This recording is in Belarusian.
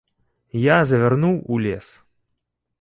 Я завярнуў у лес.